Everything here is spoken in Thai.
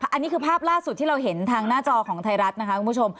อันนี้คือภาพล่าสุดที่เราเห็นทางหน้าจอของไทยรัฐนะคะคุณผู้ชม